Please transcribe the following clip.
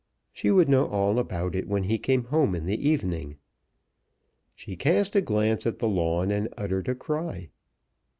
She would know all about it when he came home in the evening. She cast a glance at the lawn, and uttered a cry.